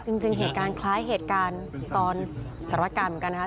จริงเหตุการณ์คล้ายเหตุการณ์ตอนสารวการณ์เหมือนกันนะครับ